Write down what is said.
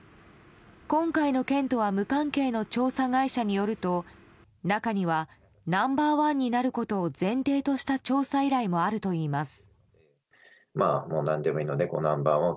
今回の件とは無関係の調査会社によると中には、ナンバー１になることを前提とした調査依頼もあるといいます。